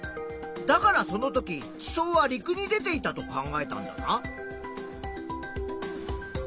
だからそのとき地層は陸に出ていたと考えたんだな。